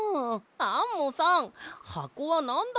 アンモさんはこはなんだったの？